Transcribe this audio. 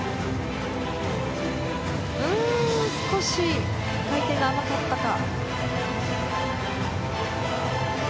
少し回転が甘かったか。